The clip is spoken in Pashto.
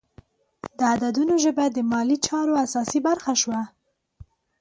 د عددونو ژبه د مالي چارو اساسي برخه شوه.